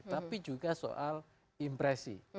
tapi juga soal impresi